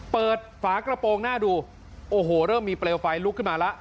ฝากระโปรงหน้าดูโอ้โหเริ่มมีเปลวไฟลุกขึ้นมาแล้ว